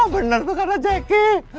bener tuh karena jacky